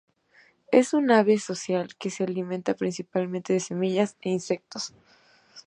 Es un ave social, que se alimenta principalmente de semillas e insectos.